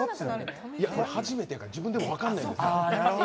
初めてやから自分でも分かんないんです。